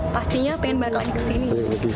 pastinya pengen balik lagi ke sini